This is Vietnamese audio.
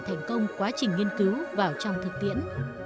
thành công quá trình nghiên cứu vào trong thực tiễn